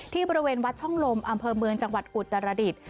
ที่บริเวณวัดช่องลมอำเภอเมืองจังหวัดอุตรดิษฐ์